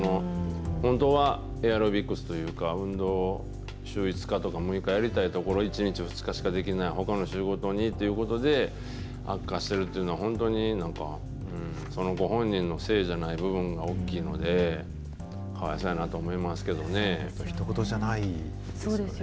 本当はエアロビクスというか、運動、週５日とか６日やりたいところ、１日、２日しかできない、ほかの仕事にということで、悪化してるというのは本当になんか、そのご本人のせいじゃない部分が大きいので、かわいそうやなと思ひと事じゃないですよね。